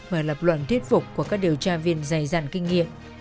và lập luận thuyết phục của các điều tra viên dày dặn kinh nghiệm